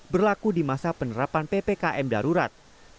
berlaku di masa penerapan ppkm darurat